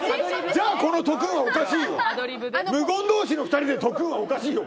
じゃあ、このトクンはおかしいよ。